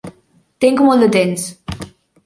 Tinc molt de temps.